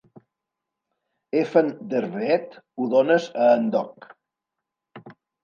Effen der Veed, ho dones a en Doc.